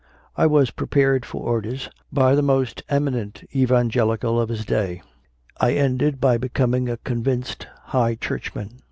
I was prepared for orders by the most eminent Evangelical of his day. I ended by becoming a convinced High Churchman.